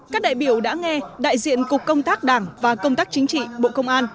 các đại biểu đã nghe đại diện cục công tác đảng và công tác chính trị bộ công an